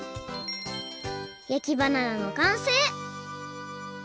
焼きバナナのかんせい！